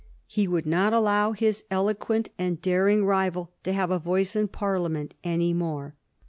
He would not allow his eloquent and daring rival to have a voice in Parliament any more.